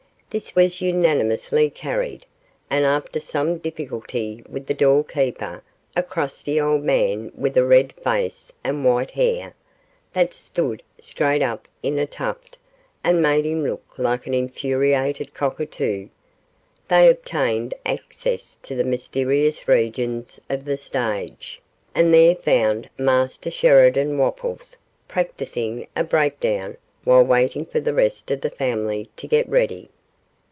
This was unanimously carried, and after some difficulty with the door keeper a crusty old man with a red face and white hair, that stood straight up in a tuft, and made him look like an infuriated cockatoo they obtained access to the mysterious regions of the stage, and there found Master Sheridan Wopples practising a breakdown while waiting for the rest of the family to get ready.